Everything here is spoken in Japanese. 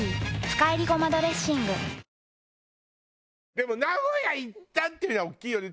でも名古屋行ったっていうのは大きいよね。